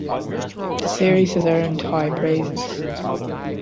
The series has earned high praises.